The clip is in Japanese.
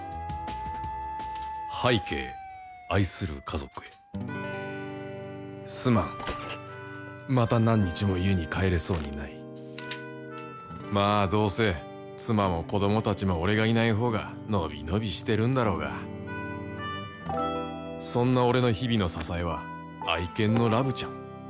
拝啓愛する家族へすまんまた何日も家に帰れそうにないまぁどうせ妻も子供たちも俺がいないほうが伸び伸びしてるんだろうがそんな俺の日々の支えは愛犬のラブちゃん・ワン！